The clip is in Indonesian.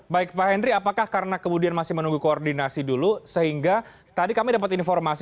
baik pak henry apakah karena kemudian masih menunggu koordinasi dulu sehingga tadi kami dapat informasi